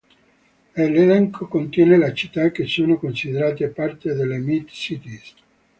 L'elenco contiene le città che sono considerate parte delle Mid-Cities.